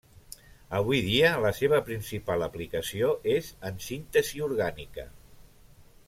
Avui dia, la seva principal aplicació és en síntesi orgànica.